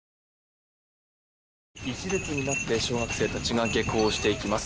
１列になって小学生たちが下校していきます。